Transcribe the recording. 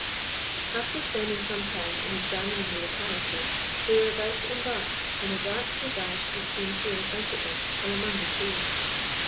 After spending some time in examining the locality, they were about to embark, when a dark visage was seen peering out at them from among the trees.